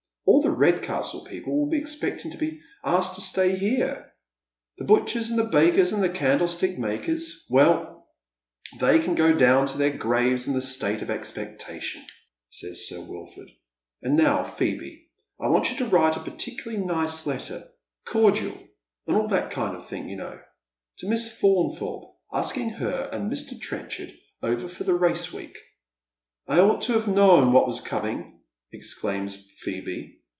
"All the Eedcastle people will be expecting to be asked to stay here." " The butchers and bakers and candlestick makers. Well, they can go down to their graves in a state of expectation," says Sir Wilford, " and now Phoebe, I want you to write a particularly nice letter — cordial, and all that kind of thing, you know — to Miss Faunthorpe, asking her and Mr. Trenchard over for the race week." " I ought to have known what was coming," exclaims Phoebe.